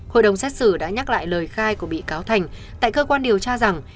hội đồng xét xử đã nhắc lại lời khai của bị cáo thành tại cơ quan điều tra rằng